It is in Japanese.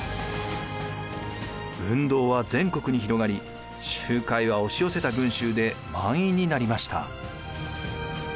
運動は全国に広がり集会は押し寄せた群衆で満員になりました。